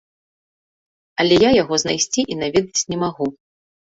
Але я яго знайсці і наведаць не магу.